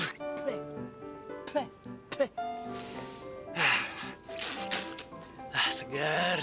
gue bisa diktirin gelendong